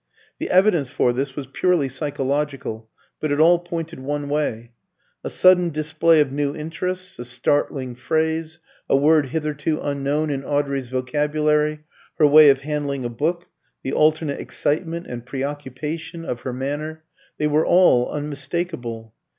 The evidence for this was purely psychological, but it all pointed one way. A sudden display of new interests, a startling phrase, a word hitherto unknown in Audrey's vocabulary, her way of handling a book, the alternate excitement and preoccupation of her manner, they were all unmistakable.